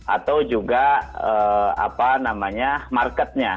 atau juga apa namanya marketnya